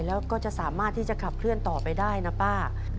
แล้วก็จะสามารถที่จะขับเคลื่อนต่อไปได้นะป้า